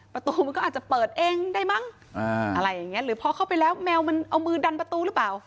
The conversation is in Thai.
ประตูมันก็อาจจะเปิดเองได้มั้งอะไรอย่างเงี้หรือพอเข้าไปแล้วแมวมันเอามือดันประตูหรือเปล่า